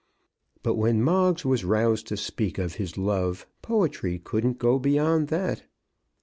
But when Moggs was roused to speak of his love, poetry couldn't go beyond that.